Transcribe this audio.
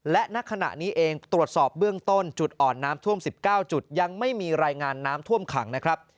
และณขณะนี้เองตรวจสอบเบื้องต้นจุดอ่อนน้ำท่วม๑๙จุดยังไม่มีรายงานน้ำท่วมขังนะครับ